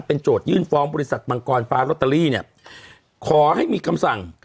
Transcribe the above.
โจทยื่นฟ้องบริษัทมังกรฟ้าลอตเตอรี่เนี่ยขอให้มีคำสั่ง